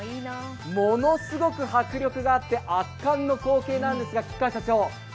ものすごく迫力があって、圧巻の光景なんです。